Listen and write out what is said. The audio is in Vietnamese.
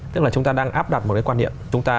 tức là chúng ta đang áp đặt một cái quan niệm chúng ta